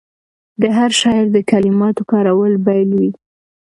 د هر شاعر د کلماتو کارول بېل وي.